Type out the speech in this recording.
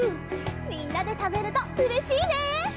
みんなでたべるとうれしいね！